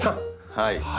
はい。